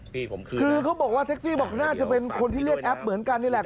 ปีผมคืนคือเขาบอกว่าแท็กซี่บอกน่าจะเป็นคนที่เรียกแอปเหมือนกันนี่แหละ